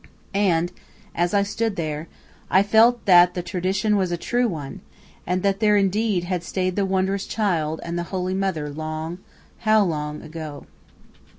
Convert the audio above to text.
And, as I stood there, I felt that the tradition was a true one, and that there indeed had stayed the wondrous Child and the Holy Mother long, how long ago.